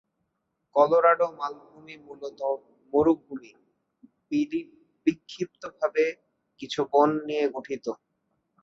Colorado মালভূমি মূলত মরুভূমি, বিক্ষিপ্ত ভাবে কিছু বন নিয়ে গঠিত।